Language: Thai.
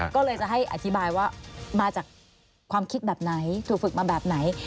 ก็เลยจะให้อธิบายว่ามาจากความคิดแบบไหนถูกฝึกมาแบบไหน